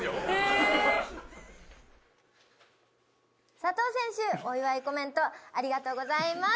佐藤選手お祝いコメントありがとうございます。